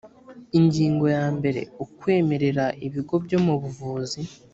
ingingo ya mbere ukwemerera ibigo byo mu buvuzi